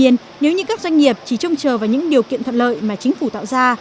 nếu như các doanh nghiệp chỉ trông chờ vào những điều kiện thuận lợi mà chính phủ tạo ra